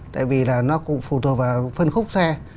tại vì là nó cũng phụ thuộc vào phân khúc xe